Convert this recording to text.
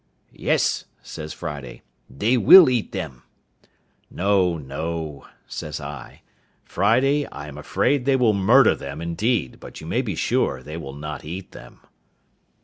"Yes," says Friday, "they will eat them." "No no," says I, "Friday; I am afraid they will murder them, indeed; but you may be sure they will not eat them."